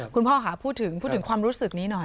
คุณพ่อค่ะพูดถึงพูดถึงความรู้สึกนี้หน่อย